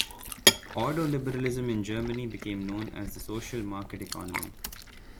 Ordoliberalism in Germany became known as the Social Market Economy.